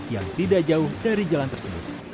yang tidak jauh dari jalan tersebut